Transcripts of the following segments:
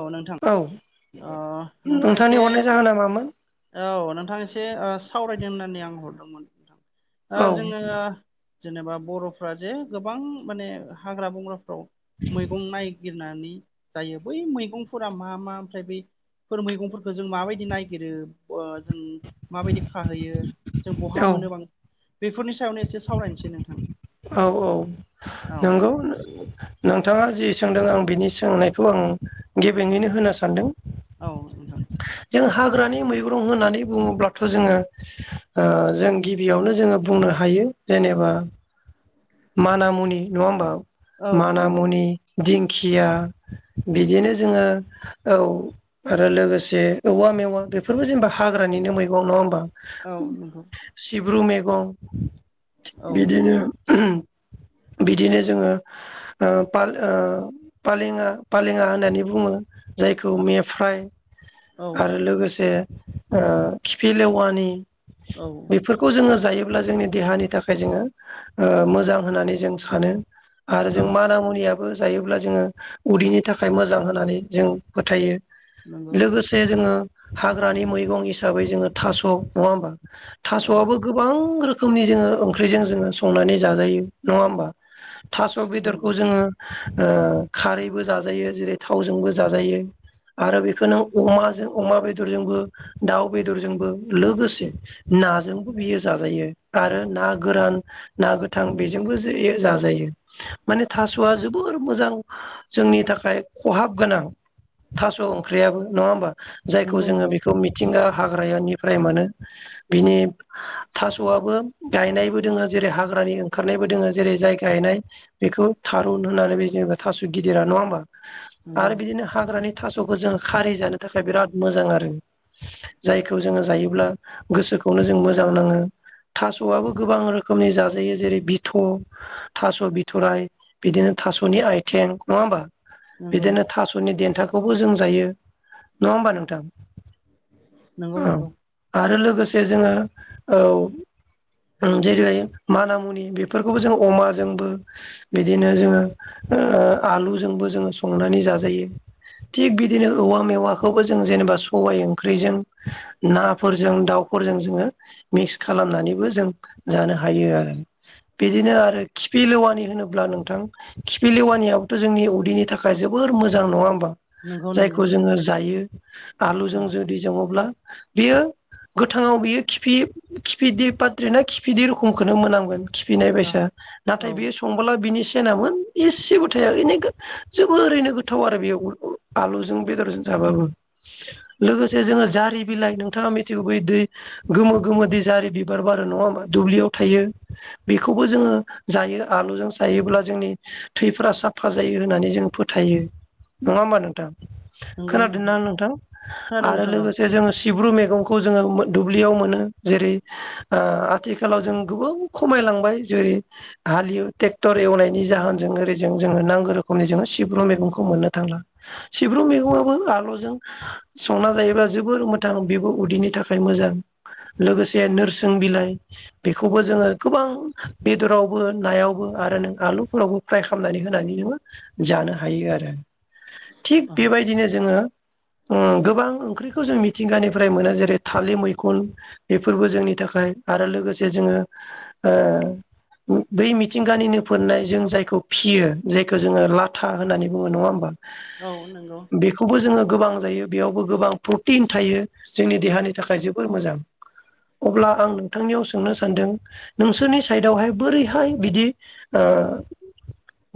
औ नोंथां औ ओ नोंथां एसे नोंथांनि हरनाय जाहोना मामोन औ नोंथां एसे अ सावराय होननानै आं हरदोंमोन नोंथां औ अ जोङो जेनेबा बर'फोरा जे गोबां माने हाग्रा - बंग्राफ्राव मैगं नायगिर नानै जायो बै मैगंफोरा मा - मा ओमफ्राय बै फोर मैगंफोरखौ जों माबायदि नायगिरो बा जों माबायदि खाहैयो जों बहा औ मोनो बां बेफोरनि सायावनो एसे सावरायनोसै नोंथां औ - औ औ नंगौ नोंथाङा जि सोंदों आं बिनि सोंनायखौ आं गेबेङैनो होनो सानदों औ नोंथां जों हाग्रानि मैग्रं होननानै बुङोब्लाथ' जोङो अ जों गिबियावनो जोङो बुंनो हायो यो जेनेबा मानामुनि नङा होमबा औ नंगौ मानामुनि दिंखिया बिदिनो जोङो औ आरो लोगोसे औवा मेवा बेफोरबो जेनेबा हाग्रानि मैगं नङा होनबा औ नंगौ गं औ बिदिनो- बिदिनो जोङो ओ फाल ओ फालेङा - फालेङा होननानै बुङो जायखौ औ मे फ्राइ औ आरो लोगोसे ओ खिफि लेवानि औ बेफोरखौ जोङो जायो अब्ला जोंनि देहानि थाखाय जोङो ओ मोजां होननानै जों सानो आरो जों औ माना मुनियाबो जायोब्ला जोङो उदैनि थाखाय मोजां होननानै जों फोथायो नंगौ लोगोसे जोङो हाग्रानि मैगं हिसाबै जोङो थास नङा होमबा औ थास'आबो गोबां रोखोमनि जोङो ओंख्रिजों जोङो संनानै जाजायो नङा होमबा थास' बेदरखौ नंगौ जोङो ओ खारैबो जाजायो जेरै थावजोंबो जाजायो आरो बेखौ नों अमाजों अमा बेदरजोंबो दाउ बेदरजोंबो लोगोसे नाजोंबो बियो जाजायो आरो ना गोरान ना गोथां बेजोंबो जाजायो माने थास'आ जोबोर मोजां जोंनि थाख थाखाय खहाब गोनां थास' ओंख्रियाबो नङा होमबा जायखौ नंगौ जोङो बेखौ मिथिंगा हाग्रायानि फ्राय मोनो बिनि थास'आबो गायनायबो दोङो जेरै हाग्रानि ओंखारनायबो दोङो जेरै जाय गायनाय बेखौ थारुन होननानै बे जेनेबा थास गिदिरा नङा होमबा नंगौ आरो बिदिनो हाग्रानि थास'खौ जों खारि जानो थाखाय बिराद मोजां आरो जायखौ जोङो जायोब्ला गोसोखौनो जों मोजां नाङो थास'आबो गोबां रोखोम रोखोमनि जाजायो जेरै बिथ, थास' बिथराय बिदिनो थासनि आइथिं नङा होमबा नंगौ बिदिनो थास'नि देन्थाखौबो जों जायो नङा होमबा नोंथां नंगौ औ नंगौ आरो लोगोसे जोङो औ ओम जेरै मानामुनि बेफोरखौबो जों अनाजोंबो बिदिनो जोङो ओ आलुजों जोंबो जों संनानै जाजायो थिग बिदिनो औवा मेवाखौबो जों जेनेबा सबाय ओंख्रिजों नाफोरजों दाउ फोरजों जोङो मिक्स खालामनानैबो जों जानो हायो आरो बिदिनो आरो खिपि लेवानि होनोब्ला नोंथां खिपि लेवानियावथ जोंनि उदैनि थाखाय जोबोद बोर मोजां नङा होमबा नंगौ नंगौ जायखौ जोङो जायो औ आलुजों जुदि जावोब्ला बेयो गोथाङाव बेयो खिफि खिफिदिर पत्रि ना खिफिदिर खुमखौनो मोनांगोन खिफिनाय औ बायस नाथाय औ बेयो संबोला बिनि सेनामोन एसेबो थाया ए जोबोरैनो गोथाव आरो बेयाव आलुजों बेदरजों जानो औ औ औ लोगोसे जोङो जालि बिलियन नोंथाङा मिथियोदि गोमो गोमो बेसाद बिबार बारो नङा होनबा दुब्लियाव थायो बेखौबो जोङो जायो आलुजों जायोब्ला जोंनि थैफ्रा साफा जायो। होननानै जों फोथायो नङा होमबा नोंथां। नंगौ नंगौ खोनादोंना नोंथां खोनादों आरो नोंथां लोगोसे जों सिब्रु मैगंखौ जोङो दुब्लियाव मोनो जेरै आथिखालाव ओ जों गोबां खमायलांबाय जेरै हालियो ट्रेक्टर एवनायनि जाहोनजों ओरैजों जोङो नांगौ रोखोम जों सिब्रु मैगंखौ मोननो थांला सिब्रु मैगङआबो आलुजों संना जायोब्ला जों जोबोर मोथां बेबो उदैनि थाखाय मोजां लोगोसे नोरसोन बिलाइ बेखौबो जोङो गोबां बेदरावबो नायावबो आरो नों आलुफोरावबो फ्राय खालामनानै होनानै जानो हायो आरो। थिग औ बेबायदिनो जोङो उम गोबां ओंख्रि खौ जों मिथिंगानिफ्राय मोनो जेरै थालिर मैखुन बेफोरबो जोंनि थाखाय आरो लोगोसे जे जोङो ओ बै मिथिंगानिनो फोरनाय जों जायखौ फियो जायखौ जोङो लाथा होननानै बुङो नङा होमबा? औ नंगौ। बेखौबो जोङो गोबां जायो बेयावबो गोबां प्रटिन थायो जोंनि देहानि थाखाय जोबोर मोजां। अब्ला आं नोंथांनियाव सों सोंनो सानदों, नोंसोरनि साइदावहाय बोरैहाय बिदि ओ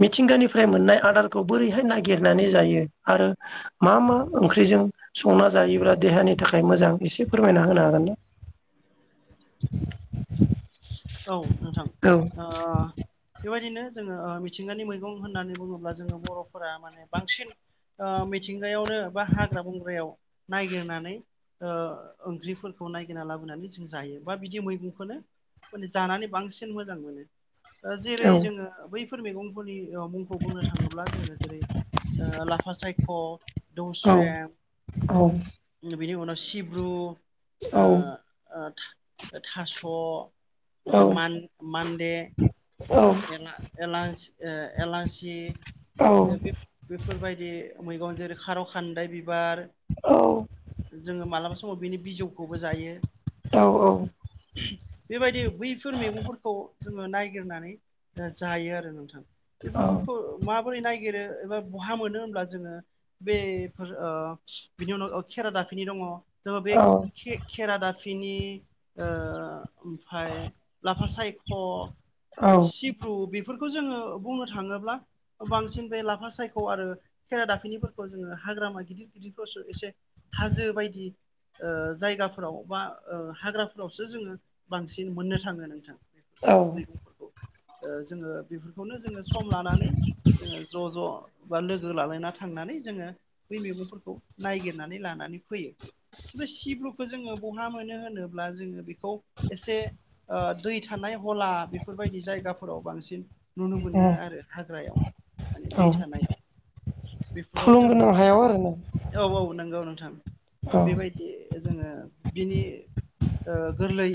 मिथिंगानिफ्राय मोननाय आदारखौ बोरैहाय नागिरनानै जायो आरो मा मा ओंख्रि जों संना जायोब्ला देहानि थाखाय मोजां एसे फोरमायना होनो हागोन ना? [inaudible] [inaudible] औ नोंथां औ ओ बेबायदिनो जोङो मिथिंगानि मैगं होननानै बुङोब्ला जोङो बर'फोरा माने बांसिन ओ मिथिं गाहायावनो बा हाग्रा बंग्रायाव नायगिरनानै ओ ओंख्रिफोरखौ नायगिरना लाबोनानै जों जायो बा बिदि मैगंखौनो जानानै बांसिन मोजां मोनो दा जेरै औ जोङो बैफोर मैगंफोरनि मुंखौ बुंनो थाङोब्ला जोङो जेरै ओ लाफा सायख' औ दौस्रेम बिनि उनाव सिब्रु ओ औ ओ थाथास' ओमफ्राय औ मान-मानडे एला-एलांस ओ एलासि बे बेफोरबायदि मैगं जेरै खार'-खान्दाय बि बार जोङो मालाबा समाव बिनि बिजौखौबो जायो। औ औ। बेबायदि बैफोर मैगंफोरखौ जोङो नायगिरनानै ओ जायो आरो नोंथां। बेफोर फोरखौ मा बोरै नायगिरो एबा बहा मोनो होनब्ला जोङो बे फोर ओ बेनि उनाव अ खेरादा फिनि दङ जोङो बे खे-खेरादा फिनि ओ ओमफाय लाफा सायख' सिब्रु बि फोरखौ जोङो बुंनो थाङोब्ला बांसिन बे लाफा सायख' आरो खेरा दाफिनिफोरखौ जोङो हाग्रामा गिदिर गिदिरफोरावसो एसे हाजो बायदि ओ जायगाफोराव बा ओ हाग्राफोरावसो जोङो बांसिन मोननो थाङो नोंथां। बेफोर औ मैगंफोरखौ ओ जोङो बेफोरखौनो जोङो सम लानानै जोङो ज' ज' बा लोगो लालायना थांनानै जोङो बेै मैगंफोरखौ नायगिरनानै लानानै फैयो। बे सिब्रुखौ जोङो बहा मोनो होनोब्ला जोङो बेखौ एसे ओ दै थाना य हला बेफोरबायदि जायगाफोराव बांसिन नुनो मोनो उम आरो हाग्रायाव माने दै थानायाव। थुलुंगोनां हायाव आरोना। औ-औ नंगौ नोंथां औ बेबायदि जोङो बिनि ओ गोरलै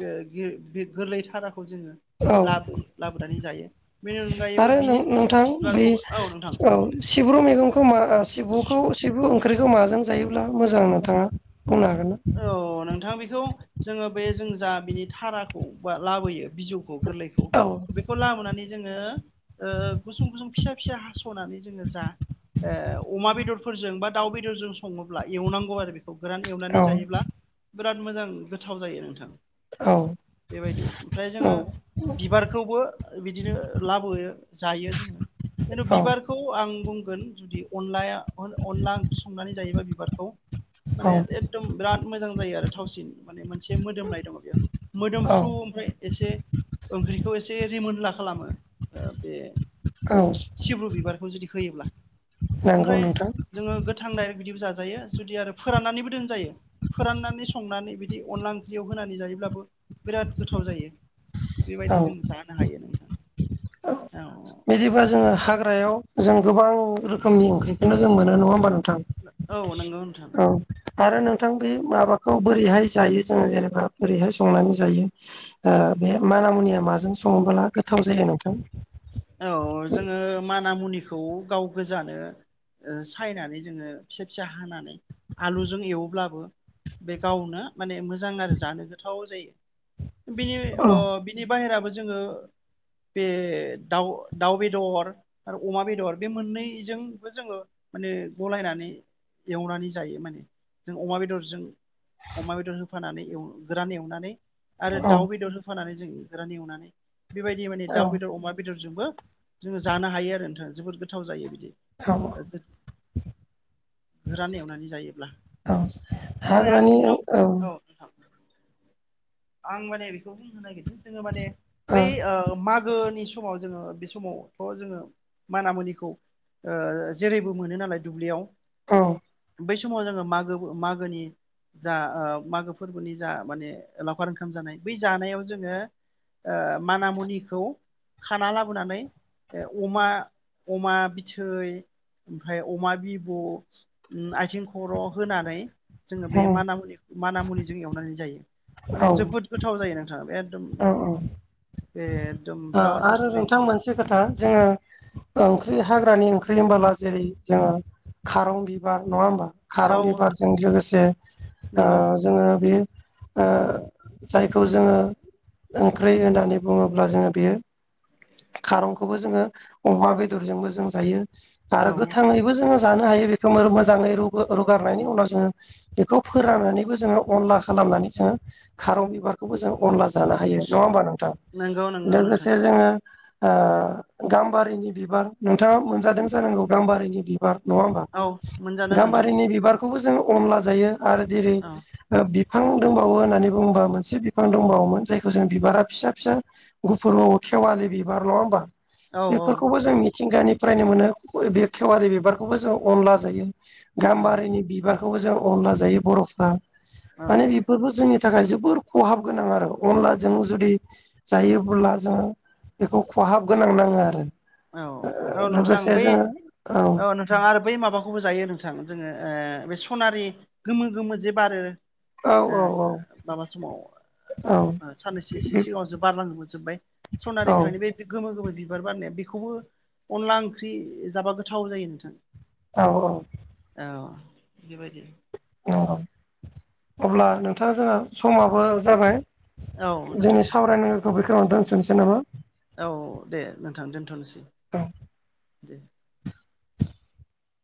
बे [unintelligible] गोरलै थाराखौ जोङो औ लाबोयो लाबोनानै जायो, बेनि अनगायैबो आरो बिनि नोंथां बै बिबारखौ, औ नोंथां औ सिब्रु मैगंखौ मा सिब्रुखौ सिब्रु ओंख्रिखौ माजों जायोब्ला मोजां नोंथाङा? बुंनो हागोन ना? औ नोंथां बेखौ जोङो बे जों जा बिनि धाराखौ बा लाबोयो बिजौखौ गोरलैखौ औ बेखौ लाबोनानै जोङो ओ गुसुं-गुसुं फिसा-फिसा हास'नानै जोङो जा ओ अमा बेदरफोरजों बा दाउ बेदरजों सङोब्ला एवनांगौ आरो बेखौ। गोरान एवनानै औ जायोब्ला बिराद मोजां गोथाव जायो नोंथां। औ। बेबायदि ओमफ्राय औ जोङो बिबारखौबो बिदिनो लाबोयो जायो जोङो। खिन्थु औ बिबारखौ आं बुं गोन जुदि अनलाया अनला ओंख्रि संनानै जायोबा बिबारखौ औ माने एकदम बिराद मोजां जायो आरो थावसिन माने मोनसे मोदोमनाय दङ बेयो औ मोदोमफ्रु ओमफ्राय एसे ओंख्रिखौ एसे रिमोनला खालामो ओ बे औ सिब्रु बिबारखौ जुदि होयोब्ला नंगौ ओमफ्राय नोंथां जोङो गोथां दायरेक बिदिबो जाजायो जुदि आरो फोराननानैबो दोनजायो। फोराननानै संनानै बिदि अनला ओंख्रियाव होनानै जायोब्लाबो बिराद गोथाव जायो बेबायदि जों जानो हायो नोंथां औ बिदिब्ला जोङो हाग्रायाव जों गोबां रोखोमनि ओंख्रिखौनो जों मोनो नङा होमबा नोंथां औ नंगौ नोंथां औ आरो नोंथां बे माबाखौ बोरैहाय जायो जोङो जेनेबा बोरैहाय संनानै जायो ओ बे मानामुनिया माजों सङोबोला गोथाव जायो नोंथां। खौ गाव गोजानो ओ सायनानै जोङो फिसा फिसा हानानै आलुजों एवोब्लाबो बे गावनो माने मोजां आरो जानो गोथाव जायो बिनि औ अ बिनि बायराबो जोङो बे दाउ दाउ बेदर आरो अमा बेदर बे मोननै जों बो जोङो माने गलायनानै एवनानै जायो माने जों अमा बेदरजों अमा बेदर होफानानै एव गोरान एवनानै आरो औ दाउ बेदर होफानानै जों गोरान एवनानै बेबायदि माने औ दाउ बेदर अमा दरजोंबो जोङो जानो हायो आरो नोंथां जोबोद गोथाव जायो बिदि। औ गोरान एवनानै जायोब्ला औ ओमफाय आरो हाग्रानि औ जोंनाव औ नोंथां आं माने बेखौ बुंनो नागिद जोङो माने बै ओ मागो नि समाव जोङो बे समावथ जोङो मानामुनिखौ ओ जेरैबो मोनो नालाय दुब्लियाव औ बै समाव जोङो मागोबो मागोनि जा ओ मागो फोरबोनि जा माने लावखार ओंखाम जानाय बै जानायाव जोङो ओ मानामुनिखौ खाना लाबोनानै ए अमा अमा बिथै ओमफ्राय अमा बिबु आथिं खर होनानै जोङो बे मानामुनि मानामुनिजों एवनानै जायो औ माने जोबोद गोथाव जायो नोंथां बे औ औ एदम ओ आरो नोंथां मोनसे खोथा जोङो ओंख्रि हाग्रानि ओं ख्रि होमबोला जेरै जोङो खारं बिबार नङा होमबा औ खारं बिबारजों लोगोसे ओ नंगौ जोङो बे ओ जायखौ जोङो ओंख्रि होनानै बुङोब्ला जोङो बे खारंखौबो जोङो अमा बेदरजोंबो जों जायो आरो औ गोथाङैबो जोङो जानो हायो मोर मोजाङै रूगो रुगारनायनि उनाव जोङो बेखौ फोराननानैबो जोङो अनला खालाम खालामनानै जोङो खारं बिबारखौबो जों अनला जानो हायो नङा होमबा नोंथां नंगौ नंगौ नोंथां लोगोसे जोङो ओ गाम्बारिनि बिबार नोंथाङा मोनजादों जानांगौ गाम्बारिनि बिबार नङा होमबा औ मोनजादों नोंथां गाम्बारिनि बिबारखौबो जों अनला जायो आरो जेरै औ बि फां दंबावो होननानै बुङोबा मोनसे बिफां दंबावोमोन जायखौ जों बिबारा फिसा फिसा गुफुर औ खेवालि बिबार नङा होमबा औ औ बेफोरखौबो जों नंगौ मिथिंगानि फ्रायनो मोनो बे खेवारि बिबारखौबो जों अनला जायो औ गाम्बारिनि बिबार खौ जों अनला जायो बरफ्रा औ माने बेफोरखौ जोंनि थाखाय जोबोर खहाब गोनां आरो अनलाजों जुदि जायोबोला जोङो बेखौ खहाब गोनां नाङो आरो औ औ नोंथां लोगोसे बे जोङो औ नोंथां आरो बै माबाखौबो जायो नोंथां जोङो ओ बे सनारि गोमो गोमो जे बारो ए औ औ ओ माबा समाव औ साननैसोसे बे सिगाङावसो बारलांनोबोजोबबाय सनारि औ बिफांनि बे गोमो गोमो बिबार बारनाया बेखौबो अनला ओंख्रि जाबा गोथाव जायो नोंथां औ औ औ बिबायदि अब्ला नोंथाङा जोंहा समाबो जाबाय औ नोंथां जोंनि दे सावरायनांगौखौ बेखौव दोनथ'नोसै नामा औ दे नोंथां दोनथ'नोसै औ दे